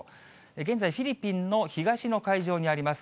現在、フィリピンの東の海上にあります。